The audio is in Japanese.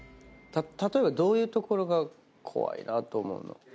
例えばどういうところが怖いなと思うの？